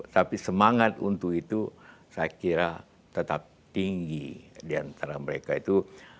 tapi semangat untuk itu saya kira tetap tinggi diantara mereka itu